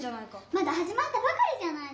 まだはじまったばかりじゃないの。